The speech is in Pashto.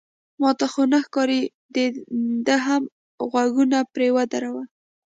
ما ته خو نه ښکاري، ده هم غوږونه پرې ودرول.